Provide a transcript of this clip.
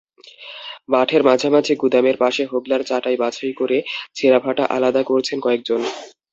মাঠের মাঝামাঝি গুদামের পাশে হোগলার চাটাই বাছাই করে ছেঁড়া-ফাটা আলাদা করছেন কয়েকজন।